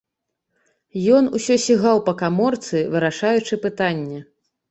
Ён усё сігаў па каморцы, вырашаючы пытанне.